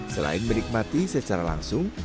selain menikmati secara langsung